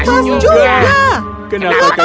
kami ingin koin emas juga